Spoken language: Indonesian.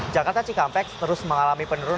jakarta cikampek terus mengalami penurunan